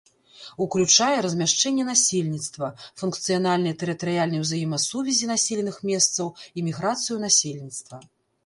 Уключае размяшчэнне насельніцтва, функцыянальныя тэрытарыяльныя ўзаемасувязі населеных месцаў і міграцыю насельніцтва.